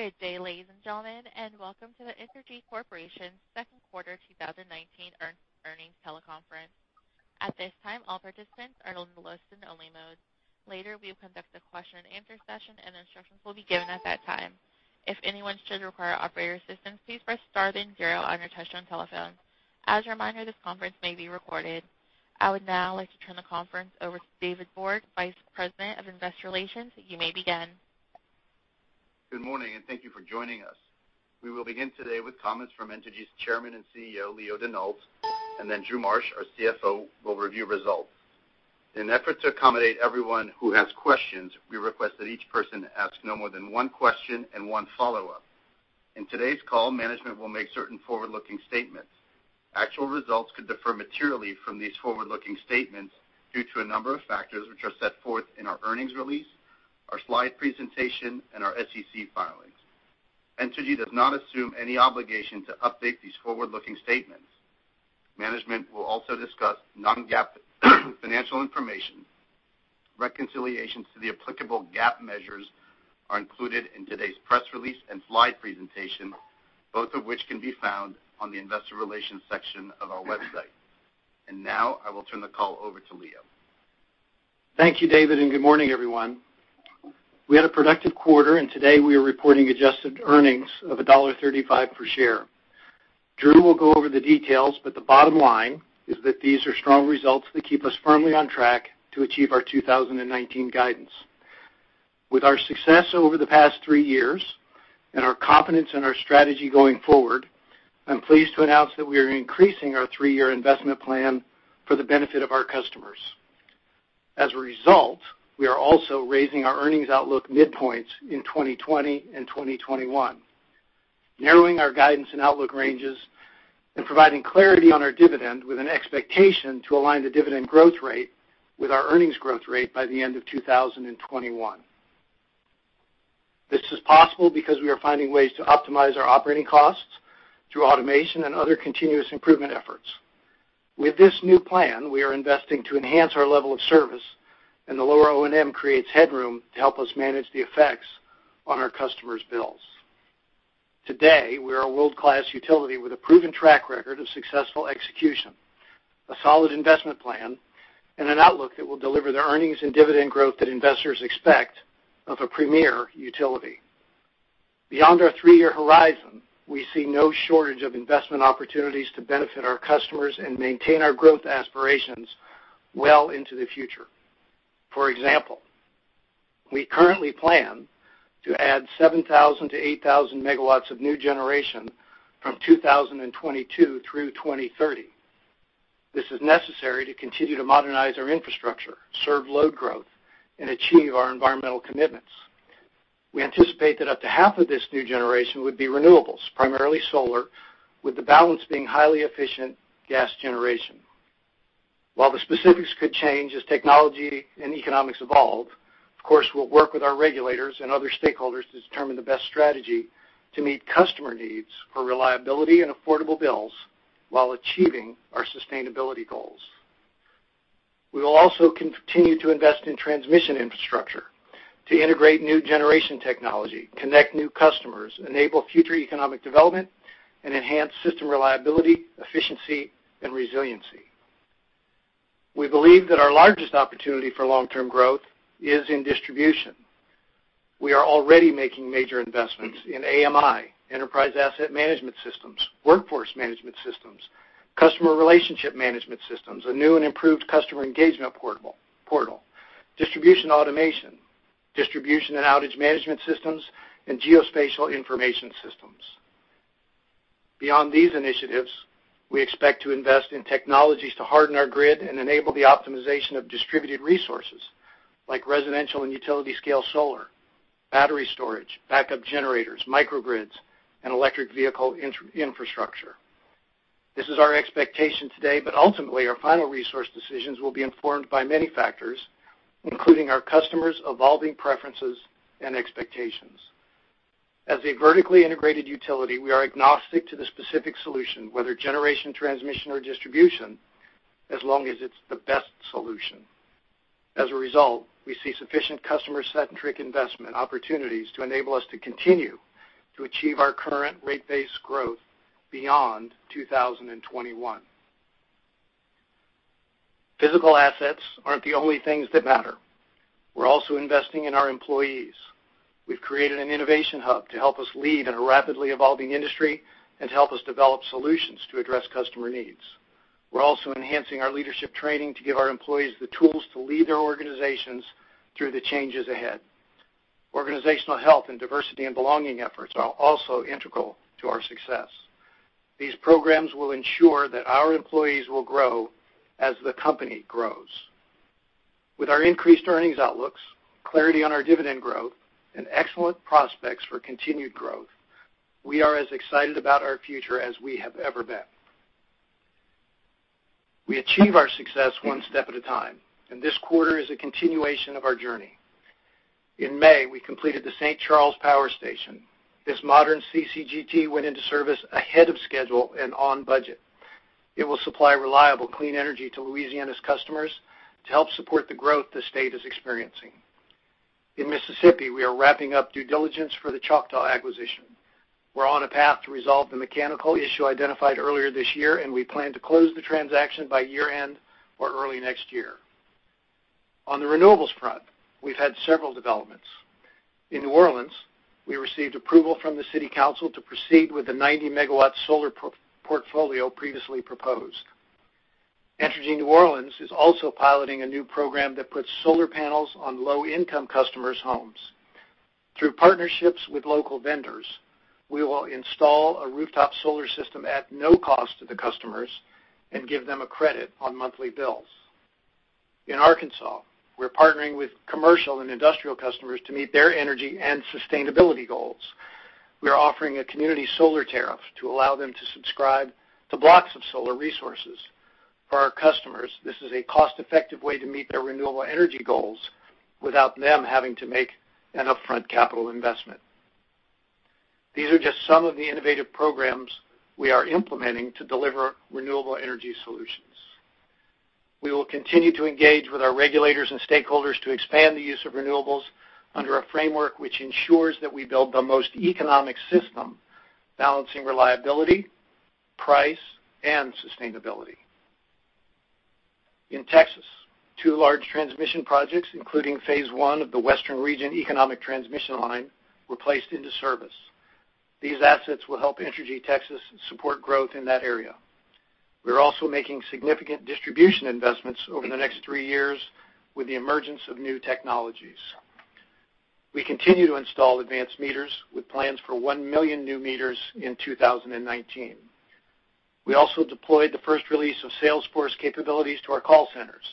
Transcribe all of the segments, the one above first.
Good day, ladies and gentlemen. Welcome to the Entergy Corporation's second quarter 2019 earnings teleconference. At this time, all participants are in listen-only mode. Later, we will conduct a question-and-answer session, and instructions will be given at that time. If anyone should require operator assistance, please press star then zero on your touch-tone telephone. As a reminder, this conference may be recorded. I would now like to turn the conference over to David Borde, Vice President of Investor Relations. You may begin. Good morning, and thank you for joining us. We will begin today with comments from Entergy's Chairman and CEO, Leo Denault, then Drew Marsh, our CFO, will review results. In an effort to accommodate everyone who has questions, we request that each person ask no more than one question and one follow-up. In today's call, management will make certain forward-looking statements. Actual results could differ materially from these forward-looking statements due to a number of factors, which are set forth in our earnings release, our slide presentation, and our SEC filings. Entergy does not assume any obligation to update these forward-looking statements. Management will also discuss non-GAAP financial information. Reconciliations to the applicable GAAP measures are included in today's press release and slide presentation, both of which can be found on the investor relations section of our website. Now I will turn the call over to Leo. Thank you, David, and good morning, everyone. We had a productive quarter. Today we are reporting adjusted earnings of $1.35 per share. Drew will go over the details. The bottom line is that these are strong results that keep us firmly on track to achieve our 2019 guidance. With our success over the past three years and our confidence in our strategy going forward, I'm pleased to announce that we are increasing our three-year investment plan for the benefit of our customers. As a result, we are also raising our earnings outlook midpoints in 2020 and 2021, narrowing our guidance and outlook ranges and providing clarity on our dividend with an expectation to align the dividend growth rate with our earnings growth rate by the end of 2021. This is possible because we are finding ways to optimize our operating costs through automation and other continuous improvement efforts. With this new plan, we are investing to enhance our level of service, and the lower O&M creates headroom to help us manage the effects on our customers' bills. Today, we are a world-class utility with a proven track record of successful execution, a solid investment plan, and an outlook that will deliver the earnings and dividend growth that investors expect of a premier utility. Beyond our three-year horizon, we see no shortage of investment opportunities to benefit our customers and maintain our growth aspirations well into the future. For example, we currently plan to add 7,000 to 8,000 megawatts of new generation from 2022 through 2030. This is necessary to continue to modernize our infrastructure, serve load growth, and achieve our environmental commitments. We anticipate that up to half of this new generation would be renewables, primarily solar, with the balance being highly efficient gas generation. While the specifics could change as technology and economics evolve, of course, we'll work with our regulators and other stakeholders to determine the best strategy to meet customer needs for reliability and affordable bills while achieving our sustainability goals. We will also continue to invest in transmission infrastructure to integrate new generation technology, connect new customers, enable future economic development, and enhance system reliability, efficiency, and resiliency. We believe that our largest opportunity for long-term growth is in distribution. We are already making major investments in AMI, enterprise asset management systems, workforce management systems, customer relationship management systems, a new and improved customer engagement portal, distribution automation, distribution and outage management systems, and geospatial information systems. Beyond these initiatives, we expect to invest in technologies to harden our grid and enable the optimization of distributed resources like residential and utility-scale solar, battery storage, backup generators, microgrids, and electric vehicle infrastructure. This is our expectation today, but ultimately, our final resource decisions will be informed by many factors, including our customers' evolving preferences and expectations. As a vertically integrated utility, we are agnostic to the specific solution, whether generation, transmission, or distribution, as long as it's the best solution. As a result, we see sufficient customer-centric investment opportunities to enable us to continue to achieve our current rate base growth beyond 2021. Physical assets aren't the only things that matter. We're also investing in our employees. We've created an innovation hub to help us lead in a rapidly evolving industry and to help us develop solutions to address customer needs. We're also enhancing our leadership training to give our employees the tools to lead their organizations through the changes ahead. Organizational health and diversity and belonging efforts are also integral to our success. These programs will ensure that our employees will grow as the company grows. With our increased earnings outlooks, clarity on our dividend growth, and excellent prospects for continued growth, we are as excited about our future as we have ever been. We achieve our success one step at a time, and this quarter is a continuation of our journey. In May, we completed the St. Charles Power Station. This modern CCGT went into service ahead of schedule and on budget. It will supply reliable, clean energy to Louisiana's customers to help support the growth the state is experiencing. In Mississippi, we are wrapping up due diligence for the Choctaw acquisition. We're on a path to resolve the mechanical issue identified earlier this year, and we plan to close the transaction by year-end or early next year. On the renewables front, we've had several developments. In New Orleans, we received approval from the city council to proceed with the 90-megawatt solar portfolio previously proposed. Entergy New Orleans is also piloting a new program that puts solar panels on low-income customers' homes. Through partnerships with local vendors, we will install a rooftop solar system at no cost to the customers and give them a credit on monthly bills. In Arkansas, we're partnering with commercial and industrial customers to meet their energy and sustainability goals. We are offering a community solar tariff to allow them to subscribe to blocks of solar resources. For our customers, this is a cost-effective way to meet their renewable energy goals without them having to make an upfront capital investment. These are just some of the innovative programs we are implementing to deliver renewable energy solutions. We will continue to engage with our regulators and stakeholders to expand the use of renewables under a framework which ensures that we build the most economic system, balancing reliability, price, and sustainability. In Texas, two large transmission projects, including phase 1 of the Western Region Economic Project, were placed into service. These assets will help Entergy Texas support growth in that area. We're also making significant distribution investments over the next three years with the emergence of new technologies. We continue to install advanced meters, with plans for 1 million new meters in 2019. We also deployed the first release of Salesforce capabilities to our call centers.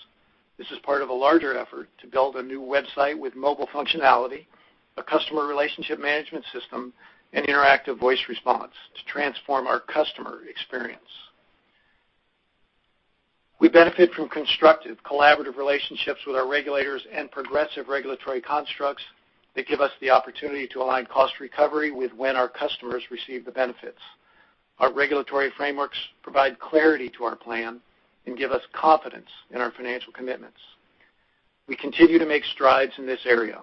This is part of a larger effort to build a new website with mobile functionality, a customer relationship management system, and interactive voice response to transform our customer experience. We benefit from constructive, collaborative relationships with our regulators and progressive regulatory constructs that give us the opportunity to align cost recovery with when our customers receive the benefits. Our regulatory frameworks provide clarity to our plan and give us confidence in our financial commitments. We continue to make strides in this area.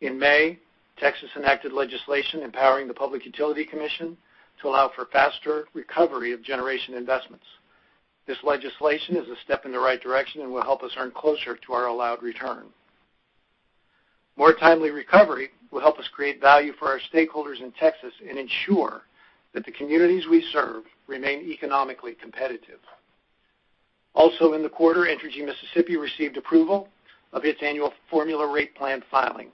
In May, Texas enacted legislation empowering the Public Utility Commission to allow for faster recovery of generation investments. This legislation is a step in the right direction and will help us earn closer to our allowed return. More timely recovery will help us create value for our stakeholders in Texas and ensure that the communities we serve remain economically competitive. Also in the quarter, Entergy Mississippi received approval of its annual formula rate plan filing,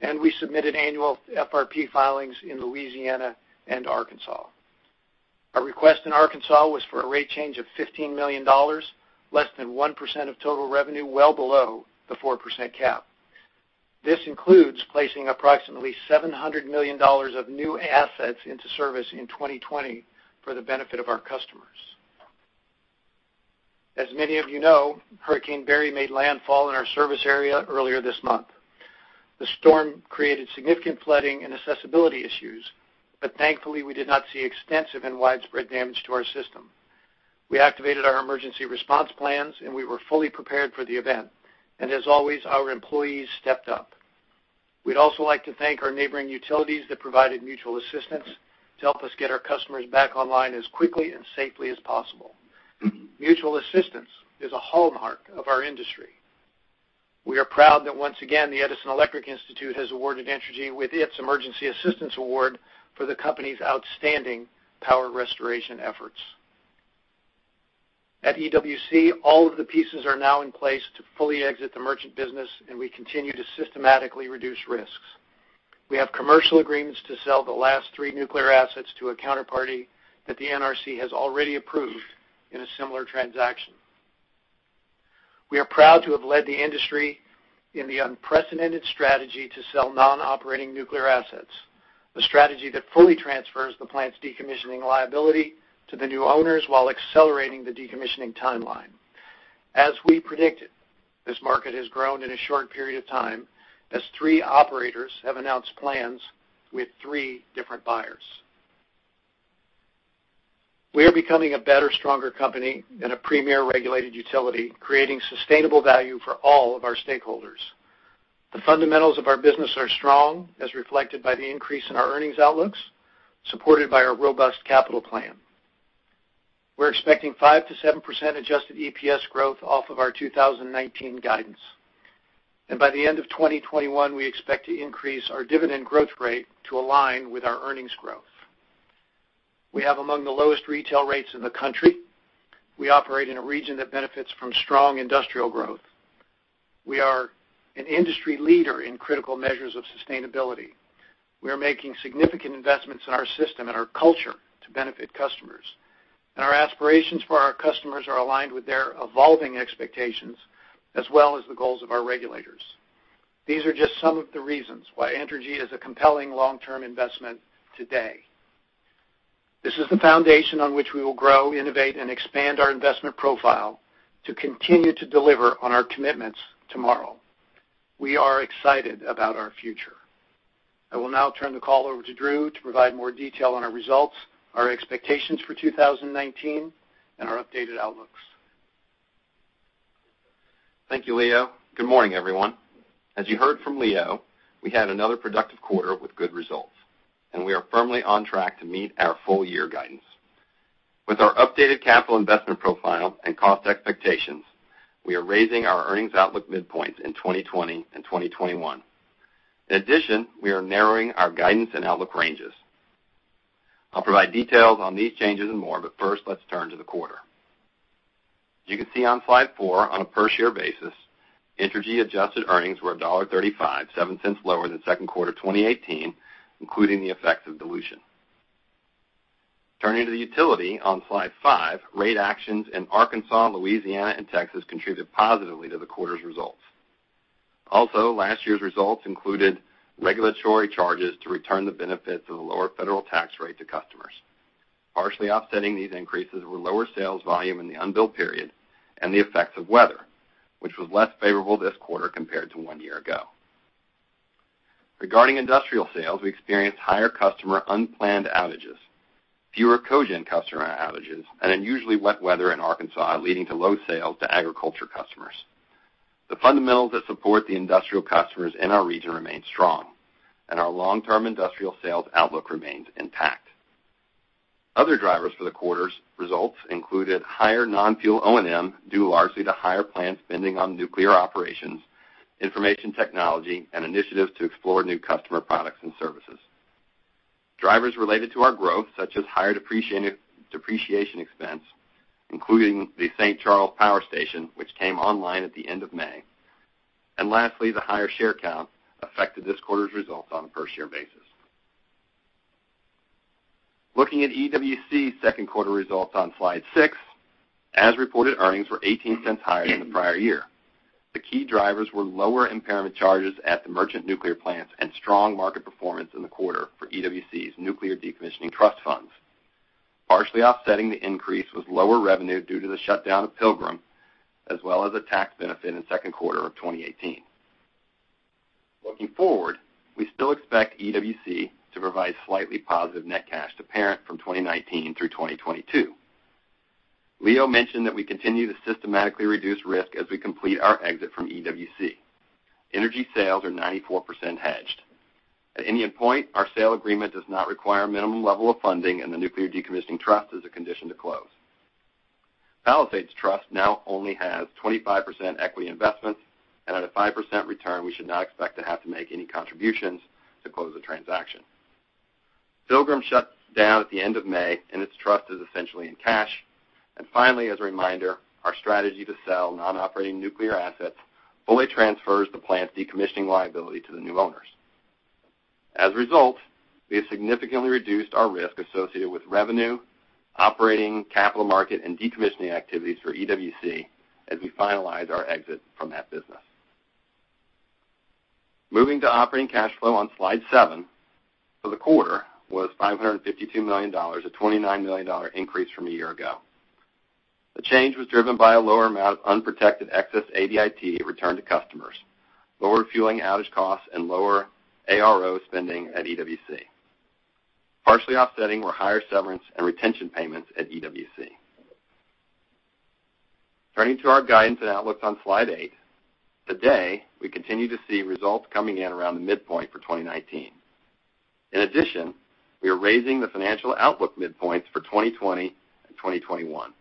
and we submitted annual FRP filings in Louisiana and Arkansas. Our request in Arkansas was for a rate change of $15 million, less than 1% of total revenue, well below the 4% cap. This includes placing approximately $700 million of new assets into service in 2020 for the benefit of our customers. As many of you know, Hurricane Barry made landfall in our service area earlier this month. The storm created significant flooding and accessibility issues, but thankfully, we did not see extensive and widespread damage to our system. We activated our emergency response plans, and we were fully prepared for the event. As always, our employees stepped up. We'd also like to thank our neighboring utilities that provided mutual assistance to help us get our customers back online as quickly and safely as possible. Mutual assistance is a hallmark of our industry. We are proud that once again, the Edison Electric Institute has awarded Entergy with its Emergency Assistance Award for the company's outstanding power restoration efforts. At EWC, all of the pieces are now in place to fully exit the merchant business, and we continue to systematically reduce risks. We have commercial agreements to sell the last three nuclear assets to a counterparty that the NRC has already approved in a similar transaction. We are proud to have led the industry in the unprecedented strategy to sell non-operating nuclear assets, a strategy that fully transfers the plant's decommissioning liability to the new owners while accelerating the decommissioning timeline. As we predicted, this market has grown in a short period of time as three operators have announced plans with three different buyers. We are becoming a better, stronger company and a premier regulated utility, creating sustainable value for all of our stakeholders. The fundamentals of our business are strong, as reflected by the increase in our earnings outlooks, supported by our robust capital plan. We're expecting 5%-7% adjusted EPS growth off of our 2019 guidance. By the end of 2021, we expect to increase our dividend growth rate to align with our earnings growth. We have among the lowest retail rates in the country. We operate in a region that benefits from strong industrial growth. We are an industry leader in critical measures of sustainability. We are making significant investments in our system and our culture to benefit customers. Our aspirations for our customers are aligned with their evolving expectations as well as the goals of our regulators. These are just some of the reasons why Entergy is a compelling long-term investment today. This is the foundation on which we will grow, innovate, and expand our investment profile to continue to deliver on our commitments tomorrow. We are excited about our future. I will now turn the call over to Drew to provide more detail on our results, our expectations for 2019, and our updated outlooks. Thank you, Leo. Good morning, everyone. As you heard from Leo, we had another productive quarter with good results, and we are firmly on track to meet our full year guidance. With our updated capital investment profile and cost expectations, we are raising our earnings outlook midpoints in 2020 and 2021. In addition, we are narrowing our guidance and outlook ranges. I'll provide details on these changes and more, but first, let's turn to the quarter. You can see on slide four, on a per-share basis, Entergy adjusted earnings were $1.35, $0.07 lower than second quarter 2018, including the effects of dilution. Turning to the utility on slide five, rate actions in Arkansas, Louisiana, and Texas contributed positively to the quarter's results. Also, last year's results included regulatory charges to return the benefits of the lower federal tax rate to customers. Partially offsetting these increases were lower sales volume in the unbilled period and the effects of weather, which was less favorable this quarter compared to one year ago. Regarding industrial sales, we experienced higher customer unplanned outages, fewer cogen customer outages, and unusually wet weather in Arkansas, leading to low sales to agriculture customers. The fundamentals that support the industrial customers in our region remain strong, and our long-term industrial sales outlook remains intact. Other drivers for the quarter's results included higher non-fuel O&M, due largely to higher planned spending on nuclear operations, information technology, and initiatives to explore new customer products and services. Drivers related to our growth, such as higher depreciation expense, including the St. Charles Power Station, which came online at the end of May. Lastly, the higher share count affected this quarter's results on a per-share basis. Looking at EWC's second quarter results on slide six, as reported, earnings were $0.18 higher than the prior year. The key drivers were lower impairment charges at the merchant nuclear plants and strong market performance in the quarter for EWC's nuclear decommissioning trust funds. Partially offsetting the increase was lower revenue due to the shutdown of Pilgrim, as well as a tax benefit in the second quarter of 2018. Looking forward, we still expect EWC to provide slightly positive net cash to parent from 2019 through 2022. Leo mentioned that we continue to systematically reduce risk as we complete our exit from EWC. Energy sales are 94% hedged. At Indian Point, our sale agreement does not require a minimum level of funding, and the nuclear decommissioning trust is a condition to close. Palisades Trust now only has 25% equity investments, and at a 5% return, we should not expect to have to make any contributions to close the transaction. Pilgrim shuts down at the end of May and its trust is essentially in cash. Finally, as a reminder, our strategy to sell non-operating nuclear assets fully transfers the plant's decommissioning liability to the new owners. As a result, we have significantly reduced our risk associated with revenue, operating capital market, and decommissioning activities for EWC as we finalize our exit from that business. Moving to operating cash flow on slide seven, for the quarter was $552 million, a $29 million increase from a year ago. The change was driven by a lower amount of unprotected excess ADIT returned to customers, lower fueling outage costs, and lower ARO spending at EWC. Partially offsetting were higher severance and retention payments at EWC. Turning to our guidance and outlook on slide eight, today, we continue to see results coming in around the midpoint for 2019. In addition, we are raising the financial outlook midpoints for 2020 and 2021.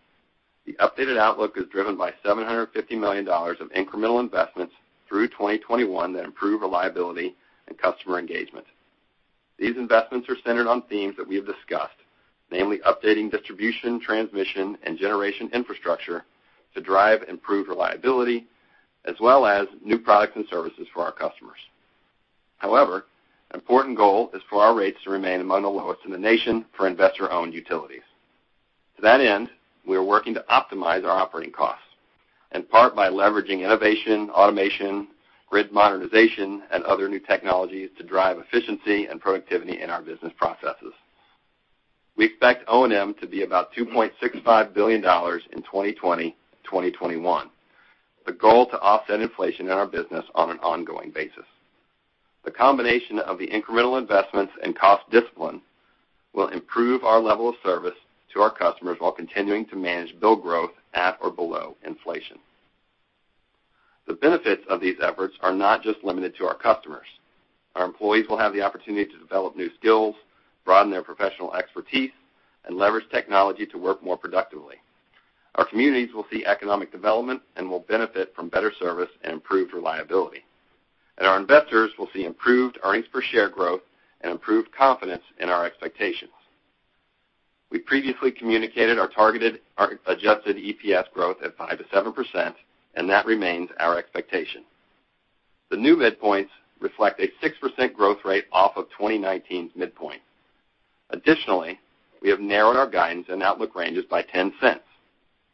The updated outlook is driven by $750 million of incremental investments through 2021 that improve reliability and customer engagement. These investments are centered on themes that we have discussed, namely updating distribution, transmission, and generation infrastructure to drive improved reliability, as well as new products and services for our customers. However, an important goal is for our rates to remain among the lowest in the nation for investor-owned utilities. To that end, we are working to optimize our operating costs, in part by leveraging innovation, automation, grid modernization, and other new technologies to drive efficiency and productivity in our business processes. We expect O&M to be about $2.65 billion in 2020 and 2021. The goal, to offset inflation in our business on an ongoing basis. The combination of the incremental investments and cost discipline will improve our level of service to our customers while continuing to manage bill growth at or below inflation. The benefits of these efforts are not just limited to our customers. Our employees will have the opportunity to develop new skills, broaden their professional expertise, and leverage technology to work more productively. Our communities will see economic development and will benefit from better service and improved reliability. Our investors will see improved earnings per share growth and improved confidence in our expectations. We previously communicated our targeted or adjusted EPS growth at 5%-7%, and that remains our expectation. The new midpoints reflect a 6% growth rate off of 2019's midpoint. Additionally, we have narrowed our guidance and outlook ranges by $0.10.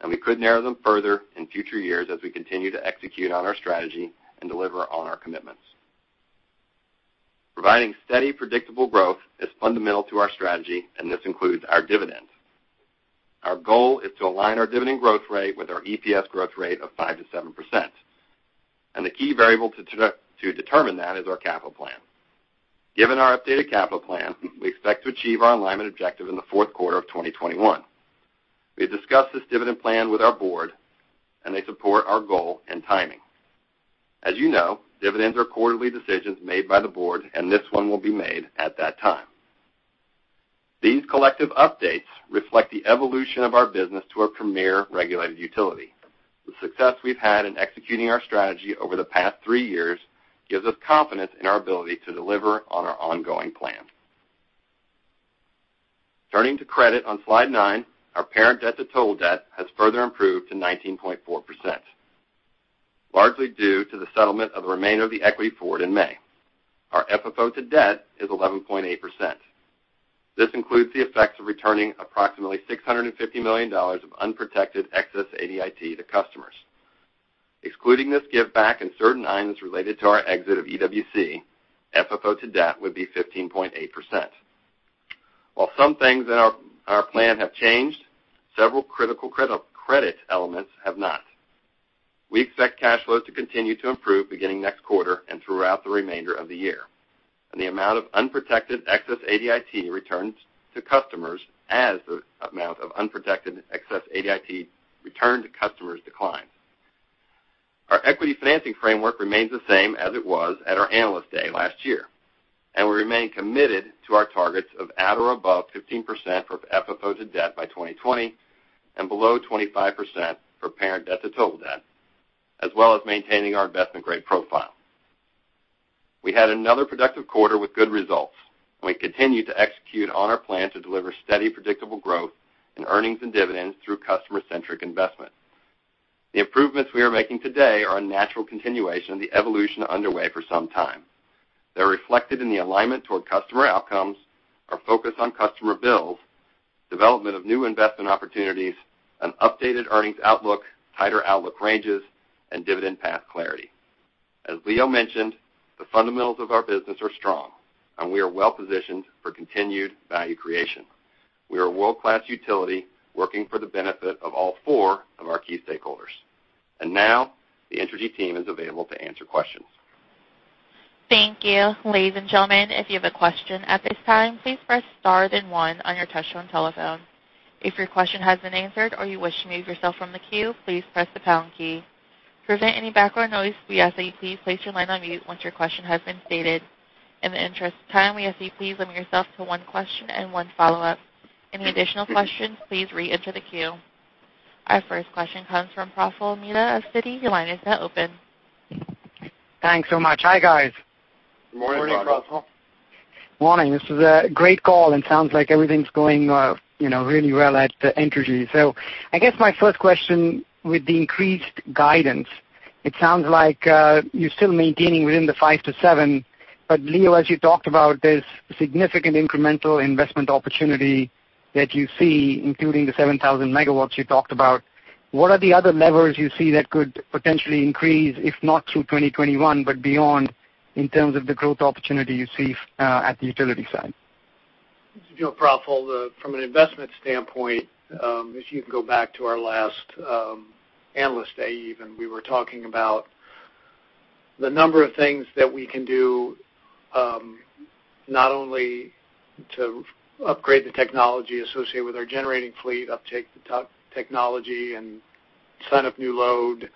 We could narrow them further in future years as we continue to execute on our strategy and deliver on our commitments. Providing steady, predictable growth is fundamental to our strategy. This includes our dividend. Our goal is to align our dividend growth rate with our EPS growth rate of 5%-7%. The key variable to determine that is our capital plan. Given our updated capital plan, we expect to achieve our alignment objective in the fourth quarter of 2021. We have discussed this dividend plan with our board. They support our goal and timing. As you know, dividends are quarterly decisions made by the board. This one will be made at that time. These collective updates reflect the evolution of our business to a premier regulated utility. The success we've had in executing our strategy over the past three years gives us confidence in our ability to deliver on our ongoing plan. Turning to credit on slide nine, our parent debt to total debt has further improved to 19.4%, largely due to the settlement of the remainder of the equity forward in May. Our FFO to debt is 11.8%. This includes the effects of returning approximately $650 million of unprotected excess ADIT to customers. Excluding this give back and certain items related to our exit of EWC, FFO to debt would be 15.8%. While some things in our plan have changed, several critical credit elements have not. We expect cash flow to continue to improve beginning next quarter and throughout the remainder of the year, as the amount of unprotected excess ADIT returned to customers declines. Our equity financing framework remains the same as it was at our Analyst Day last year. We remain committed to our targets of at or above 15% for FFO to debt by 2020 and below 25% for parent debt to total debt, as well as maintaining our investment-grade profile. We had another productive quarter with good results. We continue to execute on our plan to deliver steady, predictable growth in earnings and dividends through customer-centric investment. The improvements we are making today are a natural continuation of the evolution underway for some time. They're reflected in the alignment toward customer outcomes, our focus on customer bills, development of new investment opportunities, an updated earnings outlook, tighter outlook ranges, and dividend path clarity. As Leo mentioned, the fundamentals of our business are strong. We are well-positioned for continued value creation. We are a world-class utility working for the benefit of all four of our key stakeholders. Now the Entergy team is available to answer questions. Thank you. Ladies and gentlemen, if you have a question at this time, please press star then one on your touchtone telephone. If your question has been answered or you wish to remove yourself from the queue, please press the pound key. To prevent any background noise, we ask that you please place your line on mute once your question has been stated. In the interest of time, we ask that you please limit yourself to one question and one follow-up. Any additional questions, please reenter the queue. Our first question comes from Praful Mehta of Citi. Your line is now open. Thanks so much. Hi, guys. Morning, Praful. Morning, Praful. Morning. This is a great call. Sounds like everything's going really well at Entergy. I guess my first question, with the increased guidance, it sounds like you're still maintaining within the 5-7. Leo, as you talked about, there's significant incremental investment opportunity that you see, including the 7,000 megawatts you talked about. What are the other levers you see that could potentially increase, if not through 2021, but beyond, in terms of the growth opportunity you see at the utility side? This is Leo, Praful. From an investment standpoint, if you go back to our last Analyst Day even, we were talking about the number of things that we can do not only to upgrade the technology associated with our generating fleet, uptake the technology, and sign up new load,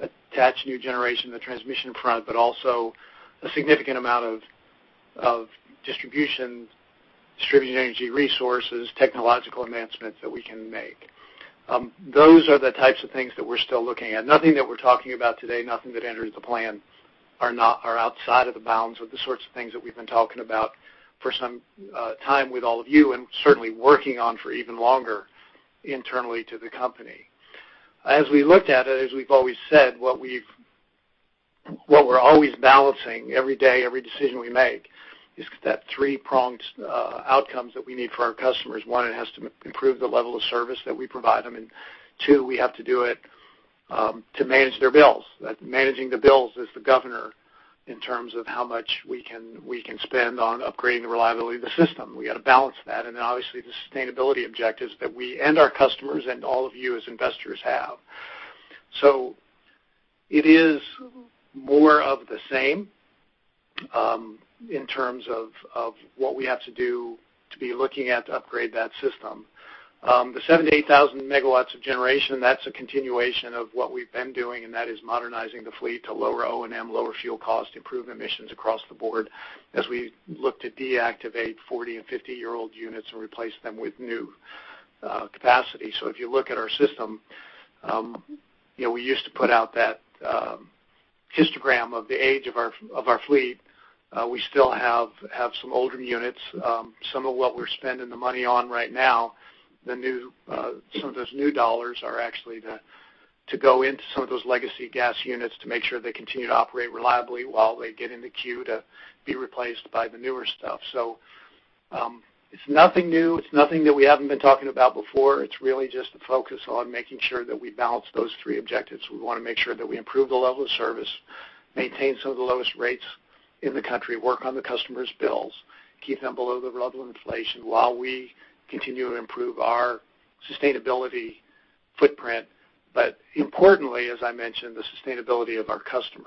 attach new generation on the transmission front, but also a significant amount of distribution energy resources, technological advancements that we can make. Those are the types of things that we're still looking at. Nothing that we're talking about today, nothing that enters the plan are outside of the bounds of the sorts of things that we've been talking about for some time with all of you, and certainly working on for even longer internally to the company. As we looked at it, as we've always said, what we're always balancing every day, every decision we make, is that three-pronged outcomes that we need for our customers. One, it has to improve the level of service that we provide them. Two, we have to do it to manage their bills. Managing the bills is the governor in terms of how much we can spend on upgrading the reliability of the system. We've got to balance that. Obviously, the sustainability objectives that we and our customers and all of you as investors have. It is more of the same in terms of what we have to do to be looking at to upgrade that system. The 7,000-8,000 megawatts of generation, that's a continuation of what we've been doing, and that is modernizing the fleet to lower O&M, lower fuel cost, improve emissions across the board as we look to deactivate 40 and 50-year-old units and replace them with new capacity. If you look at our system, we used to put out that histogram of the age of our fleet. We still have some older units. Some of what we're spending the money on right now, some of those new dollars are actually to go into some of those legacy gas units to make sure they continue to operate reliably while they get in the queue to be replaced by the newer stuff. It's nothing new. It's nothing that we haven't been talking about before. It's really just a focus on making sure that we balance those three objectives. We want to make sure that we improve the level of service, maintain some of the lowest rates. In the country, work on the customer's bills, keep them below the level of inflation while we continue to improve our sustainability footprint. Importantly, as I mentioned, the sustainability of our customers.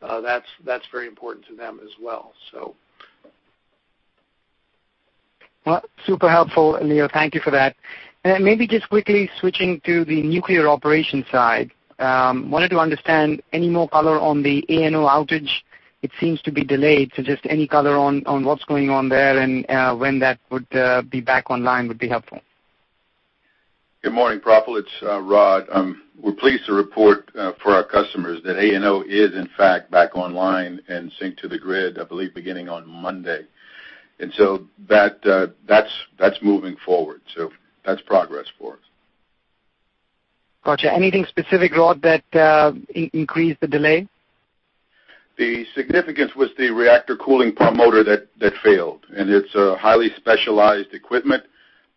That's very important to them as well. Well, super helpful, Leo. Thank you for that. Maybe just quickly switching to the nuclear operations side. I wanted to understand any more color on the ANO outage. It seems to be delayed. Just any color on what's going on there and when that would be back online would be helpful. Good morning, Praful, it's Rod. We're pleased to report for our customers that ANO is in fact back online and synced to the grid, I believe, beginning on Monday. That's moving forward. That's progress for us. Got you. Anything specific, Rod, that increased the delay? The significance was the reactor cooling pump motor that failed, it's a highly specialized equipment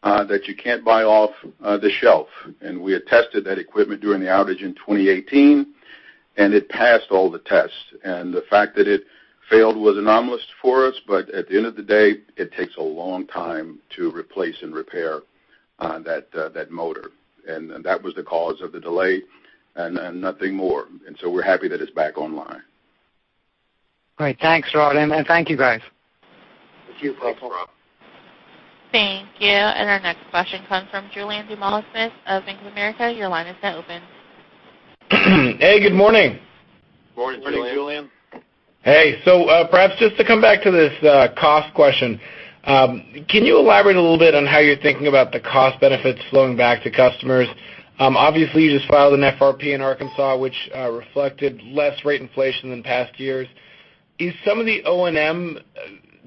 that you can't buy off the shelf. We had tested that equipment during the outage in 2018, and it passed all the tests. The fact that it failed was anomalous for us, but at the end of the day, it takes a long time to replace and repair that motor. That was the cause of the delay and nothing more. We're happy that it's back online. Great. Thanks, Rod, and thank you, guys. Thank you, Praful. Thanks, Rod. Thank you. Our next question comes from Julien Dumoulin-Smith of Bank of America. Your line is now open. Hey, good morning. Morning, Julien. Morning, Julien. Hey. Perhaps just to come back to this cost question. Can you elaborate a little bit on how you're thinking about the cost benefits flowing back to customers? Obviously, you just filed an FRP in Arkansas, which reflected less rate inflation than past years. Is some of the O&M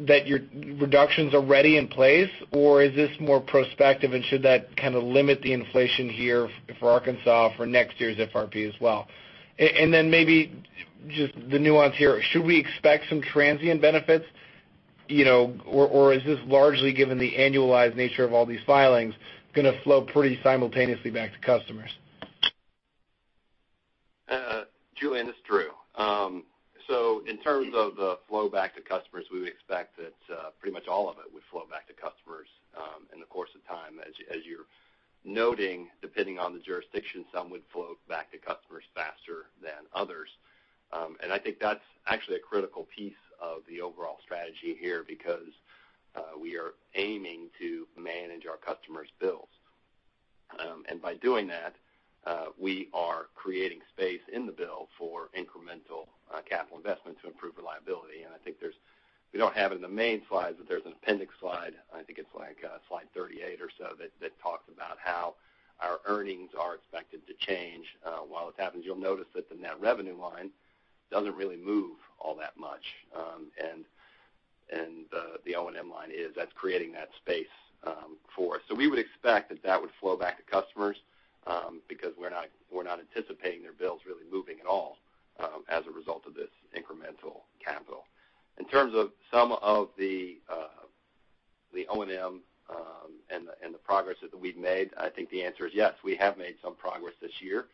that your reductions already in place, or is this more prospective, and should that kind of limit the inflation here for Arkansas for next year's FRP as well? Then maybe just the nuance here. Should we expect some transient benefits, or is this largely given the annualized nature of all these filings going to flow pretty simultaneously back to customers? Julien, this is Drew. In terms of the flow back to customers, we would expect that pretty much all of it would flow back to customers, in the course of time. As you're noting, depending on the jurisdiction, some would flow back to customers faster than others. I think that's actually a critical piece of the overall strategy here because, we are aiming to manage our customers' bills. By doing that, we are creating space in the bill for incremental capital investment to improve reliability. I think we don't have it in the main slides, but there's an appendix slide, I think it's slide 38 or so that talks about how our earnings are expected to change while this happens. You'll notice that the net revenue line doesn't really move all that much. The O&M line is, that's creating that space for us. We would expect that that would flow back to customers, because we're not anticipating their bills really moving at all as a result of this incremental capital. In terms of some of the O&M, and the progress that we've made, I think the answer is yes, we have made some progress this year.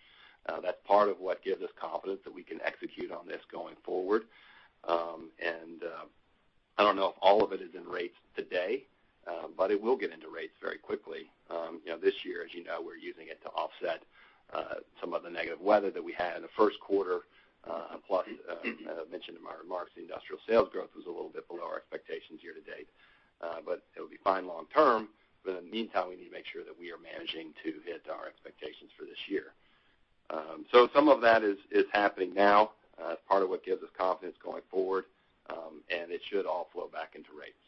That's part of what gives us confidence that we can execute on this going forward. I don't know if all of it is in rates today, but it will get into rates very quickly. This year, as you know, we're using it to offset some of the negative weather that we had in the first quarter. Plus, I mentioned in my remarks, the industrial sales growth was a little bit below our expectations year to date. It'll be fine long term, but in the meantime, we need to make sure that we are managing to hit our expectations for this year. Some of that is happening now. It's part of what gives us confidence going forward. It should all flow back into rates.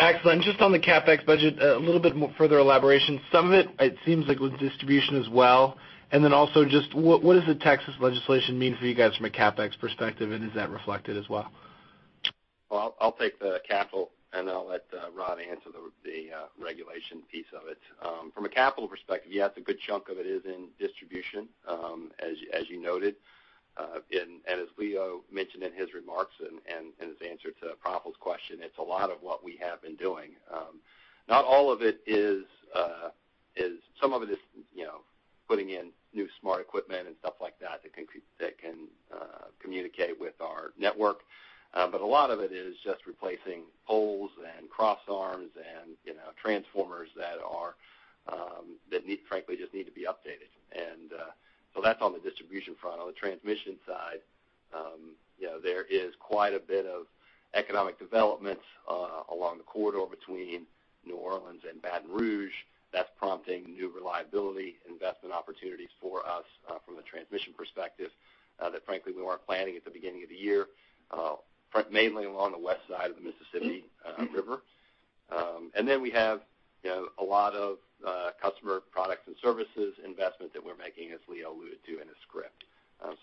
Excellent. Just on the CapEx budget, a little bit more further elaboration. Some of it seems like with distribution as well, and then also just what does the Texas legislation mean for you guys from a CapEx perspective, and is that reflected as well? Well, I'll take the capital, and I'll let Rod answer the regulation piece of it. From a capital perspective, yes, a good chunk of it is in distribution, as you noted. As Leo mentioned in his remarks and his answer to Praful's question, it's a lot of what we have been doing. Not all of it is some of it is putting in new smart equipment and stuff like that can communicate with our network. A lot of it is just replacing poles and cross arms and transformers that frankly just need to be updated. That's on the distribution front. On the transmission side, there is quite a bit of economic development along the corridor between New Orleans and Baton Rouge that's prompting new reliability investment opportunities for us, from a transmission perspective, that frankly, we weren't planning at the beginning of the year, mainly along the west side of the Mississippi River. Then we have a lot of customer products and services investment that we're making, as Leo alluded to in his script.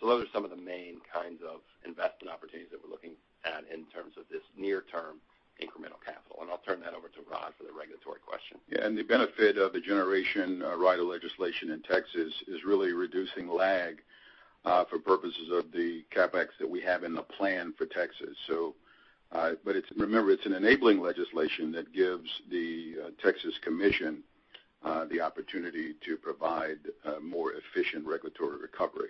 Those are some of the main kinds of investment opportunities that we're looking at in terms of this near-term incremental capital. I'll turn that over to Rod for the regulatory question. Yeah. The benefit of the generation rider legislation in Texas is really reducing lag, for purposes of the CapEx that we have in the plan for Texas. Remember, it's an enabling legislation that gives the Texas Commission the opportunity to provide more efficient regulatory recovery,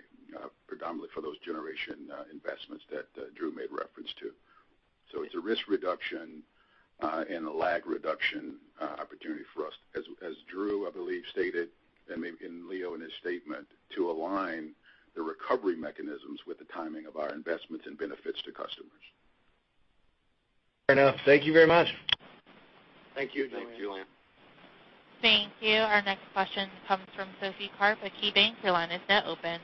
predominantly for those generation investments that Drew made reference to. It's a risk reduction and a lag reduction opportunity for us. As Drew, I believe, stated, and maybe Leo in his statement, to align the recovery mechanisms with the timing of our investments and benefits to customers. Fair enough. Thank you very much. Thank you. Thanks, Julien. Thank you. Our next question comes from Sophie Karp at KeyBanc. Your line is now open.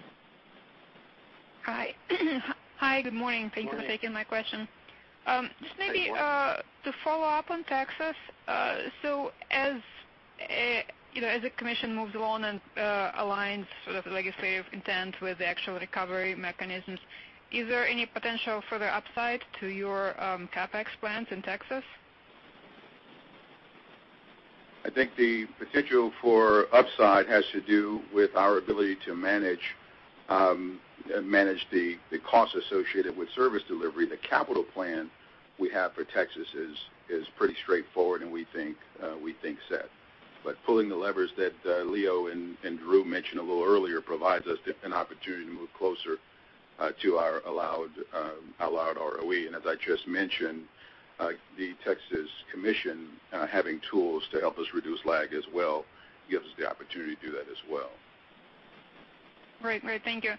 Hi. Hi, good morning. Good morning. Thank you for taking my question. Just maybe to follow up on Texas. As the Commission moves along and aligns sort of the legislative intent with the actual recovery mechanisms, is there any potential for the upside to your CapEx plans in Texas? I think the potential for upside has to do with our ability to manage the costs associated with service delivery. The capital plan we have for Texas is pretty straightforward and we think set. Pulling the levers that Leo and Drew mentioned a little earlier provides us an opportunity to move closer to our allowed ROE. As I just mentioned, the Texas Commission having tools to help us reduce lag as well gives us the opportunity to do that as well. Great. Thank you.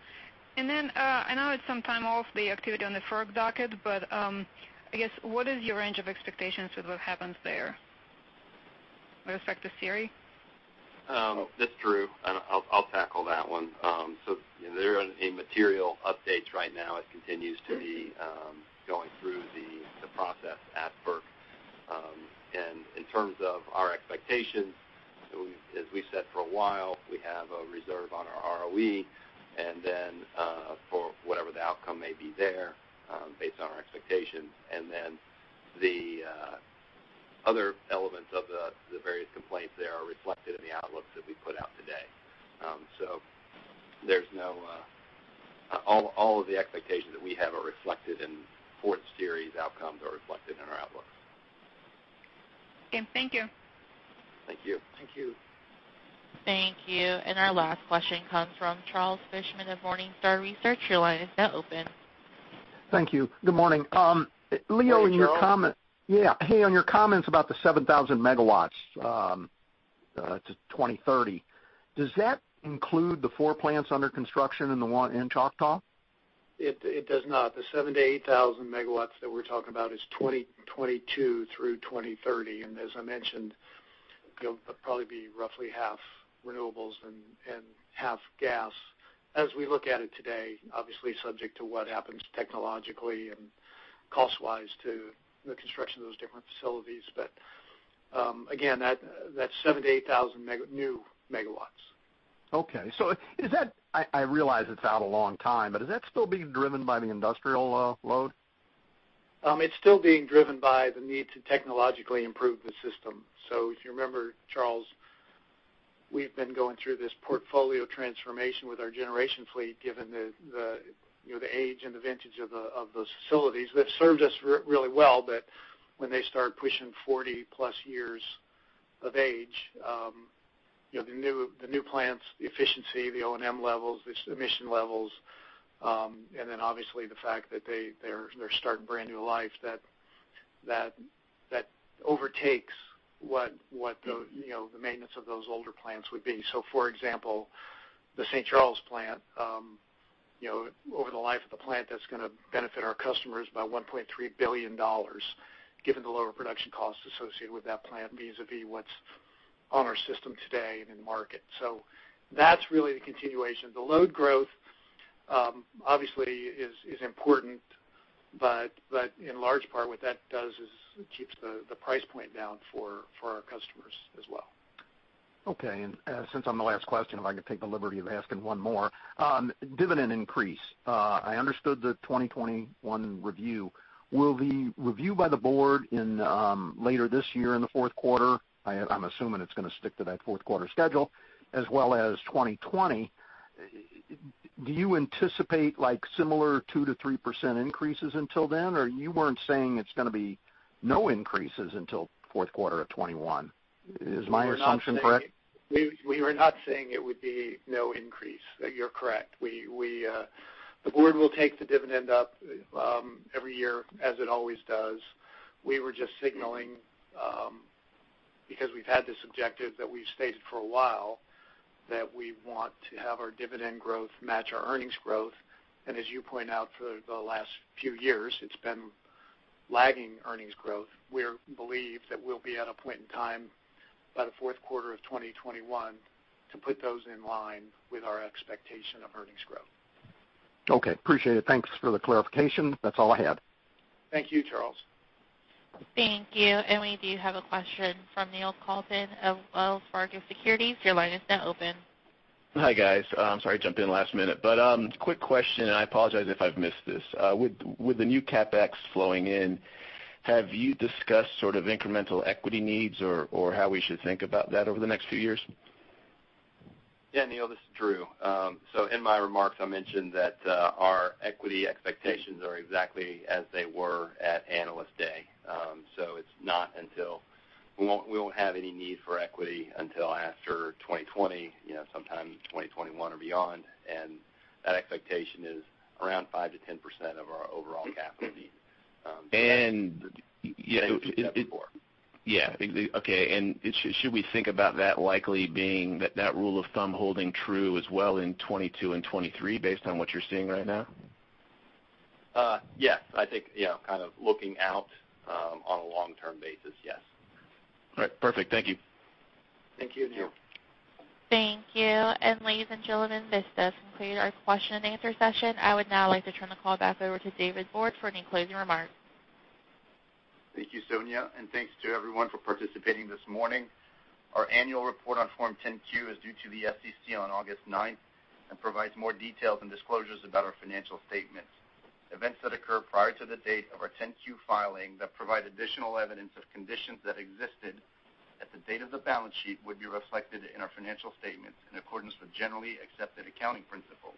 I know it's some time off, the activity on the FERC docket, but, I guess, what is your range of expectations with what happens there with respect to SERI? This is Drew. I'll tackle that one. There aren't any material updates right now. It continues to be going through the process at FERC. In terms of our expectations, as we said for a while, we have a reserve on our ROE, and then for whatever the outcome may be there, based on our expectations. Then the other elements of the various complaints there are reflected in the outlooks that we put out today. All of the expectations that we have are reflected in fourth SERI's outcomes, are reflected in our outlooks. Okay. Thank you. Thank you. Thank you. Thank you. Our last question comes from Charles Fishman of Morningstar Research. Your line is now open. Thank you. Good morning. Hey, Charles. Leo, in your comments about the 7,000 MW to 2030, does that include the four plants under construction and the one in Choctaw? It does not. The 7,000 megawatts-8,000 megawatts that we're talking about is 2022 through 2030, and as I mentioned, they'll probably be roughly half renewables and half gas. As we look at it today, obviously subject to what happens technologically and cost-wise to the construction of those different facilities. Again, that's 7,000 new megawatts-8,000 new megawatts. Okay. I realize it's out a long time, but is that still being driven by the industrial load? It's still being driven by the need to technologically improve the system. If you remember, Charles, we've been going through this portfolio transformation with our generation fleet, given the age and the vintage of the facilities. They've served us really well, but when they start pushing 40-plus years of age, the new plants, the efficiency, the O&M levels, the emission levels, and then obviously the fact that they're starting a brand-new life, that overtakes what the maintenance of those older plants would be. For example, the St. Charles plant, over the life of the plant, that's going to benefit our customers by $1.3 billion, given the lower production costs associated with that plant, vis-a-vis what's on our system today and in market. That's really the continuation. The load growth obviously is important, but in large part, what that does is it keeps the price point down for our customers as well. Okay. Since I'm the last question, if I could take the liberty of asking one more. Dividend increase. I understood the 2021 review. Will the review by the board later this year in the fourth quarter, I'm assuming it's going to stick to that fourth-quarter schedule, as well as 2020. Do you anticipate similar 2%-3% increases until then? You weren't saying it's going to be no increases until fourth quarter of 2021. Is my assumption correct? We were not saying it would be no increase. You're correct. The board will take the dividend up every year, as it always does. We were just signaling, because we've had this objective that we've stated for a while, that we want to have our dividend growth match our earnings growth. As you point out, for the last few years, it's been lagging earnings growth. We believe that we'll be at a point in time by the fourth quarter of 2021 to put those in line with our expectation of earnings growth. Okay. Appreciate it. Thanks for the clarification. That's all I had. Thank you, Charles. Thank you. We do have a question from Neil Kalton of Wells Fargo Securities. Your line is now open. Hi, guys. I'm sorry to jump in last minute, but quick question, and I apologize if I've missed this. With the new CapEx flowing in, have you discussed sort of incremental equity needs or how we should think about that over the next few years? Yeah, Neil, this is Drew. In my remarks, I mentioned that our equity expectations are exactly as they were at Analyst Day. We won't have any need for equity until after 2020, sometime 2021 or beyond. That expectation is around 5%-10% of our overall capital needs. Yeah. Okay. Should we think about that likely being that rule of thumb holding true as well in 2022 and 2023 based on what you're seeing right now? Yes. I think kind of looking out on a long-term basis, yes. All right. Perfect. Thank you. Thank you, Neil. Thank you. Ladies and gentlemen, this does conclude our question and answer session. I would now like to turn the call back over to David Borde for any closing remarks. Thank you, Sonia, and thanks to everyone for participating this morning. Our annual report on Form 10-Q is due to the SEC on August ninth and provides more details and disclosures about our financial statements. Events that occur prior to the date of our 10-Q filing that provide additional evidence of conditions that existed at the date of the balance sheet would be reflected in our financial statements in accordance with generally accepted accounting principles.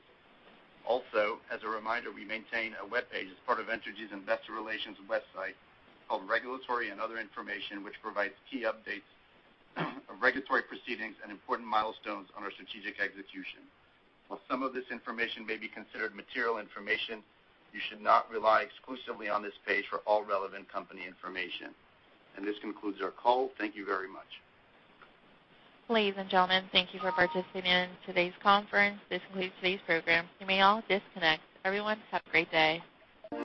Also, as a reminder, we maintain a webpage as part of Entergy's Investor Relations website called Regulatory and Other Information, which provides key updates of regulatory proceedings and important milestones on our strategic execution. While some of this information may be considered material information, you should not rely exclusively on this page for all relevant company information. This concludes our call. Thank you very much. Ladies and gentlemen, thank you for participating in today's conference. This concludes today's program. You may all disconnect. Everyone, have a great day.